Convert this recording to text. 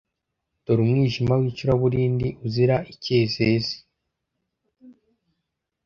dore umwijima w’icuraburindi uzira icyezezi?